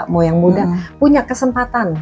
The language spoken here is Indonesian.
mau yang muda punya kesempatan